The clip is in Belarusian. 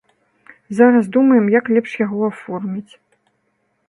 Зараз думаем, як лепш яго аформіць.